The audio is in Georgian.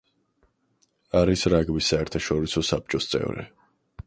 არის რაგბის საერთაშორისო საბჭოს წევრი.